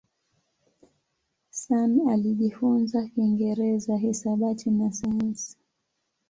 Sun alijifunza Kiingereza, hisabati na sayansi.